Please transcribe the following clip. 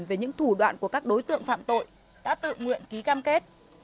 về những thủ đoạn của các đối tượng phạm tội đã tự nguyện ký cam kết